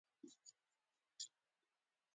د سیارو مدارونه بیضوي دي.